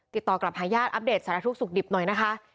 ติดต่อกลับหาญาติอัปเดตสารทุกข์สุขดิบหน่อยนะคะ